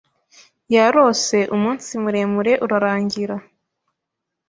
Yarose umunsi muremure urarangira